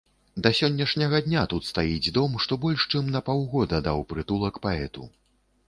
Да сённяшняга дня тут стаіць дом, што больш чым на паўгода даў прытулак паэту.